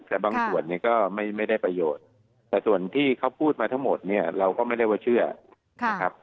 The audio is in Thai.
แต่บางส่วนเนี่ยก็ไม่ได้ประโยชน์แต่ส่วนที่เขาพูดมาทั้งหมดเนี่ยเราก็ไม่ได้ว่าเชื่อนะครับ